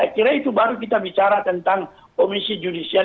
kalau kita bicara tentang komisi judicial